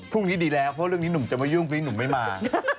พรุ่งนี้ดีแล้วเพราะเรื่องนี้หนุ่มจะมายุ่งพรุ่งนี้หนุ่มไม่มา